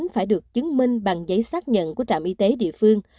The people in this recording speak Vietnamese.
phải được chứng minh bằng giấy xác nhận của trạm y tế địa phương